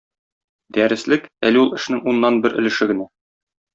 Дәреслек - әле ул эшнең уннан бер өлеше генә.